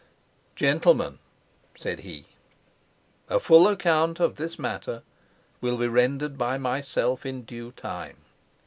"Gentlemen," said he, "a full account of this matter will be rendered by myself in due time.